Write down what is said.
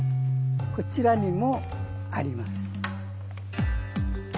こちらにもあります。